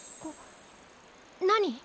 何？